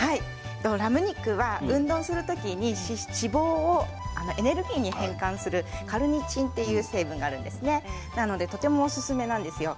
ラム肉は運動する時に脂肪をエネルギーに変換するカルニチンという成分なんですがそれがあってとてもおすすめなんです。